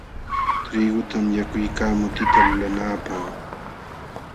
Trigutam yakuykaa mutita lulanaapaq.